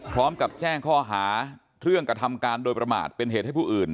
พร้อมกับแจ้งข้อหาเรื่องกระทำการโดยประมาทเป็นเหตุให้ผู้อื่น